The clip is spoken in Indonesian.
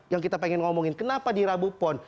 yang kita pengen ngomongin kenapa di rabu pon